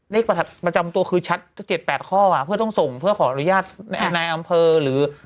ประจำตัวคือชัด๗๘ข้อเพื่อต้องส่งเพื่อขออนุญาตในอำเภอหรือ